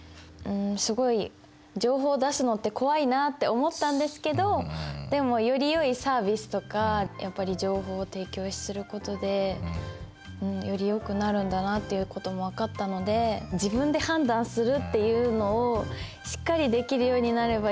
すごい情報を出すのって怖いなって思ったんですけどでもよりよいサービスとかやっぱり情報を提供することでよりよくなるんだなっていうことも分かったので自分で判断するっていうのをしっかりできるようになればいいなって思いますね。